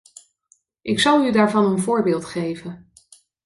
Ik zal u daarvan een voorbeeld geven.